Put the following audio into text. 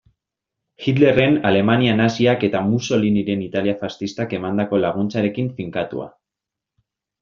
Hitlerren Alemania naziak eta Mussoliniren Italia faxistak emandako laguntzarekin finkatua.